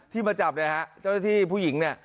ที่มาจับนะครับเจ้าหน้าที่ผู้หญิง